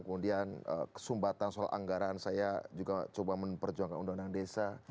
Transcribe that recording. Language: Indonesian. kemudian kesumbatan soal anggaran saya juga coba memperjuangkan undang undang desa